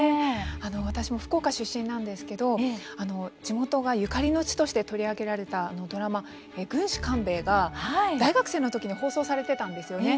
私も福岡出身なんですけれども地元がゆかりの地として取り上げられたドラマ「軍師官兵衛」が大学生のときに放送されていたんです。